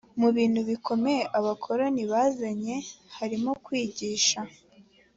mu bintu bikomeye abakoloni bazanye harimo kwigisha